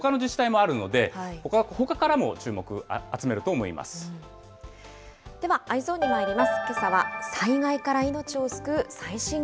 これ、流出に悩むほかの自治体もあるので、ほかからも、注目を集では、Ｅｙｅｓｏｎにまいります。